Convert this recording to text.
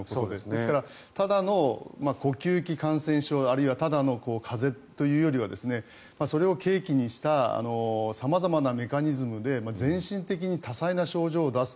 ですから、ただの呼吸器感染症あるいはただの風邪というよりはそれを契機にした様々なメカニズムで全身的に多彩な症状を出す。